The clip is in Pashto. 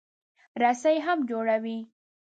رسۍ هم جوړوي.